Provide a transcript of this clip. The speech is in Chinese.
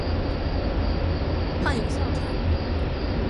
患有哮喘。